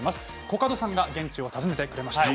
コカドさんが現地を訪ねてくれました。